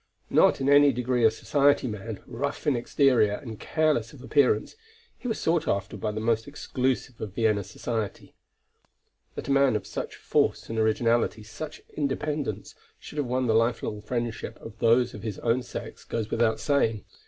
Not in any degree a society man, rough in exterior and careless of appearance, he was sought after by the most exclusive of Vienna society. That a man of such force and originality, such independence, should have won the lifelong friendship of those of his own sex, goes without saying.